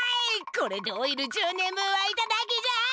これでオイル１０年分はいただきじゃい！